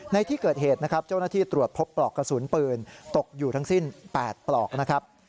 ในที่เกิดเหตุนะครับเจ้าหน้าที่ตรวจพบปลอกกระสุนปืนตกอยู่ทั้งสิ้น๘ปลอกนะครับ